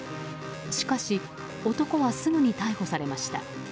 しかし男はすぐに逮捕されました。